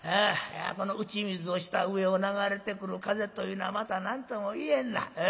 この打ち水をした上を流れてくる風というのはまたなんとも言えんな。